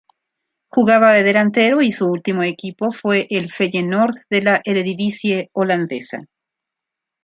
Jugaba de delantero y su último equipo fue el Feyenoord de la Eredivisie Holandesa.